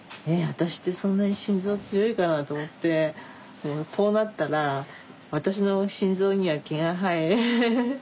私ってそんなに心臓強いかなと思ってこうなったら私の心臓には毛が生え。